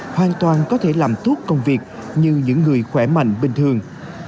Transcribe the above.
hoàn toàn có thể làm tốt công việc như những người khỏe mạnh bình thường